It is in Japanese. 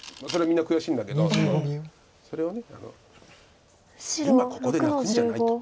みんな悔しいんだけどそれを「今ここで泣くんじゃない」と。